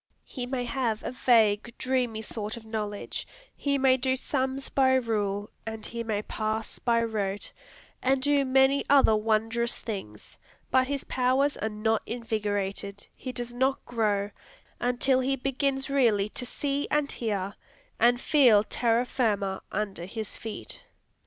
He may have a vague, dreamy sort of knowledge; he may do sums by rule, and he may parse by rote, and do many other wondrous things; but his powers are not invigorated, he does not grow, until he begins really to see and hear, and feel terra firma under his feet.